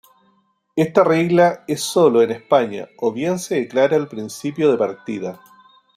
Esta regla es solo en España o bien se aclara al principio de partida.